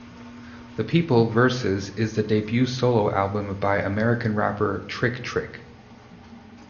The People versus is the debut solo album by American rapper Trick-Trick.